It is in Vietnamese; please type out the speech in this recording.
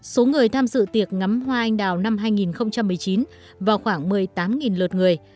số người tham dự tiệc ngắm hoa anh đào năm hai nghìn một mươi chín vào khoảng một mươi tám lượt người